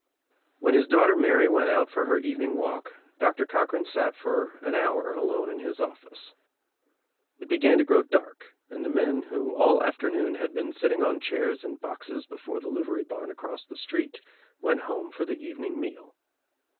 When his daughter Mary went out for her evening walk Doctor Cochran sat for an hour alone In his of&ce. It began to grow dark and the men who all afternoon had been sitting on chairs and boxes before the livery barn across the street went home for the evening meal.